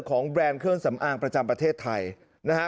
แบรนด์เครื่องสำอางประจำประเทศไทยนะฮะ